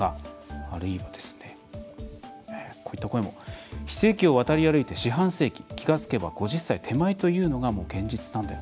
あるいは、非正規を渡り歩いて四半世紀、気がつけば５０歳手前というものがもう現実なんだよ。